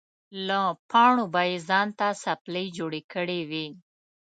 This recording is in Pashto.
له پاڼو به یې ځان ته څپلۍ جوړې کړې وې.